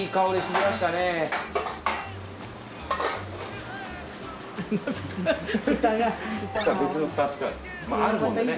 まぁあるもんでね。